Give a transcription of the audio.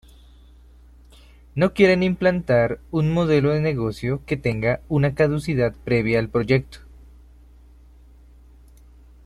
No quieren implantar un modelo de negocio que tenga una caducidad previa al proyecto.